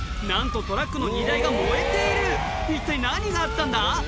なんとトラックの荷台が燃えている一体何があったんだ